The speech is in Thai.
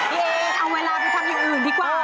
เอเอาเวลาไปทำอย่างอื่นดีกว่า